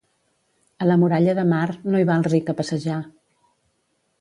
A la Muralla de Mar no hi va el ric a passejar.